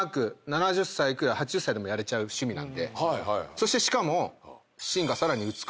そしてしかも。